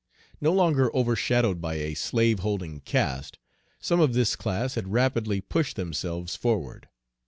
No longer overshadowed by a slaveholding caste, some of this class had rapidly pushed themselves forward.